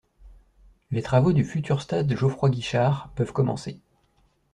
Les travaux du futur stade Geoffroy-Guichard peuvent commencer.